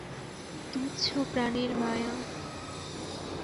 তুচ্ছ প্রানের মায়া।।